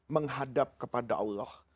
menghadap kepada allah